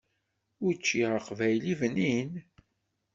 Učči aqbayli bnin.